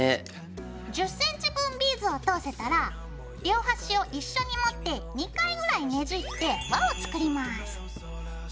１０ｃｍ分ビーズを通せたら両端を一緒に持って２回ぐらいねじって輪を作ります。